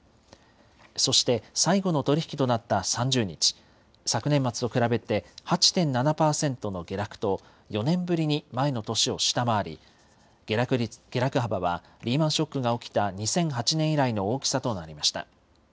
そして、最後の取り引きとなった３０日、昨年末と比べて８．７％の下落と、４年ぶりに前の年を下回り、下落幅はリーマンショックが起きた２００８年以来の大きさとなりました。